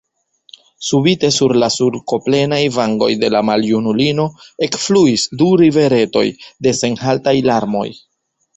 Subite sur la sulkoplenaj vangoj de la maljunulino ekfluis du riveretoj da senhaltaj larmoj.